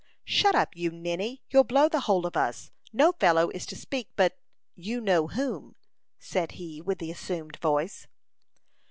"Shut up, you ninny! You'll blow the whole of us. No fellow is to speak but you know whom," said he with the assumed voice.